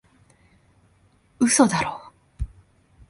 嘘だろ？